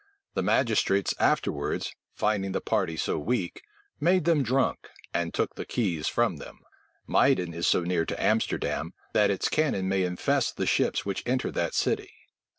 The magistrates afterwards, finding the party so weak, made them drunk, and took the keys from them. Muyden is so near to Amsterdam, thai its cannon may infest the ships which enter that city.